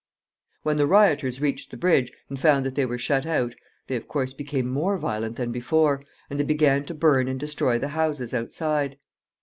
When the rioters reached the bridge, and found that they were shut out, they, of course, became more violent than before, and they began to burn and destroy the houses outside.